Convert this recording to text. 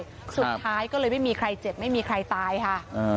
สุดท้ายก็เลยไม่มีใครเจ็บไม่มีใครตายค่ะ